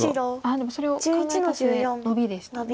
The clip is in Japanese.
でもそれを考えた末ノビでしたね。